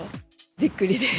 びっくりです。